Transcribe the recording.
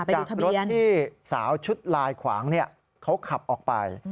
จากรถที่สาวชุดลายขวางเขาขับออกไป